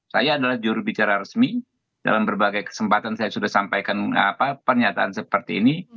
saya adalah jurubicara resmi dalam berbagai kesempatan saya sudah sampaikan pernyataan seperti ini